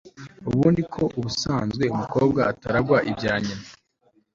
avuga ko ubusanzwe umukobwa ataragwa ibya nyina